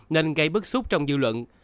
nên gây bức xúc trong dư luận